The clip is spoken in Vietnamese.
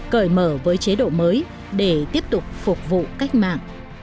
cởi mở với chế độ mới để tiếp tục phục vụ cách mạng